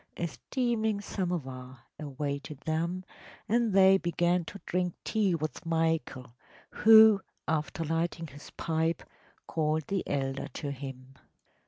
A steaming samovar awaited them, and they began to drink tea with Michael, who, after lighting his pipe, called the elder to him.